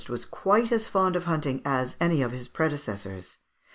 was quite as fond of hunting as any of his predecessors.